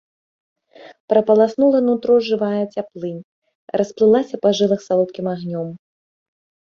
Прапаласнула нутро жывая цяплынь, расплылася па жылах салодкім агнём.